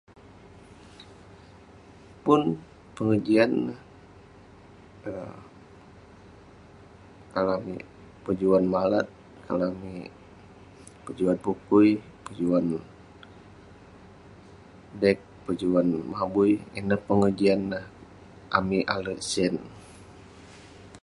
pun pengejian neh..[um] kalau amik pejuan malat, kalau amik pejuan bukui, pejuan, dek, pejuan mabui.. ineh pengejian neh amik alek sen..